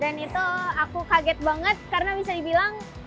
dan itu aku kaget banget karena bisa dibilang